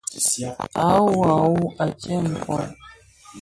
A wuwu, a wuwu, à tsem pong.